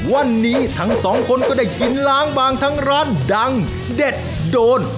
วันนี้ทั้งสองคนก็ได้กินล้างบางทั้งร้านดังเด็ดโดน